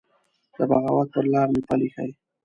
د بغاوت پر لار مي پل يښی